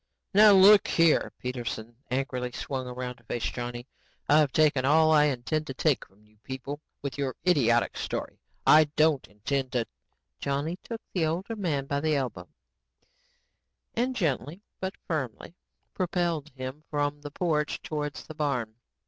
"Now, look here," Peterson angrily swung around to face Johnny. "I've taken all I intend to take from you people with your idiotic story. I don't intend to...." Johnny took the older man by the elbow and gently but firmly propelled him from the porch towards the barn.